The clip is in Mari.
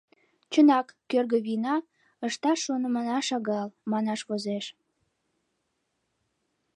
Чынак, кӧргӧ вийна, ышташ шонымына шагал, манаш возеш.